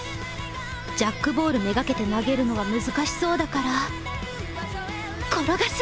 ジャックボール目がけて投げるのは難しそうだから転がす！